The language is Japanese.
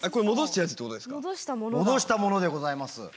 戻したものでございます。